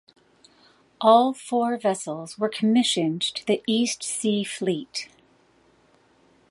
All four vessels were commissioned to the East Sea Fleet.